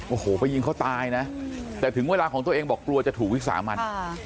โอ้โหไปยิงเขาตายนะแต่ถึงเวลาของตัวเองบอกกลัวจะถูกวิสามัน